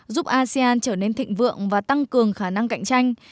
giúp asean trở nên thịnh vượng và tăng cường khả năng cạnh tranh